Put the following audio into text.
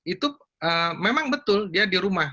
itu memang betul dia di rumah